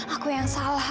aku yang salah